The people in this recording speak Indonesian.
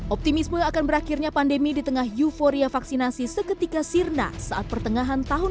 optimisme akan berakhirnya pandemi di tengah euforia vaksinasi seketika sirna saat pertengahan tahun dua ribu dua puluh